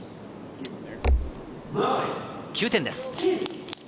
９点です。